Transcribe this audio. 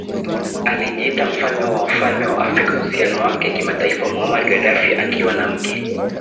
akijiita Mfalme wa Wafalme wa Afrika Uhusiano wake kimataifa Muammar Gaddafi akiwa na mke